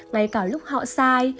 ngay cả lúc họ sai